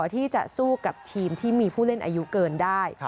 ที่จะสู้กับทีมที่มีผู้เล่นอายุเกินได้